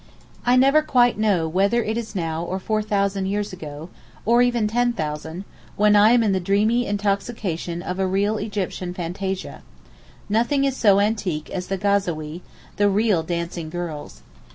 I never quite know whether it is now or four thousand years ago, or even ten thousand, when I am in the dreamy intoxication of a real Egyptian fantasia; nothing is so antique as the Ghazawee—the real dancing girls.